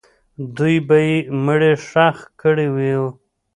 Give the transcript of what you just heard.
دوی به یې مړی ښخ کړی وو.